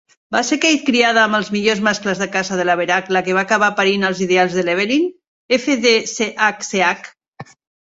Va ser Kate criada amb els millors mascles de caça de Laverack la que va acabar parint els ideals de Llewellin Fd.Ch.Ch.